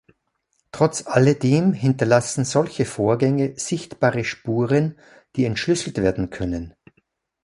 Trotz alledem hinterlassen solche Vorgänge sichtbare Spuren, die entschlüsselt werden können.